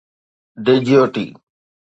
Djibouti